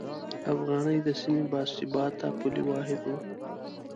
افغانۍ د سیمې باثباته پولي واحد و.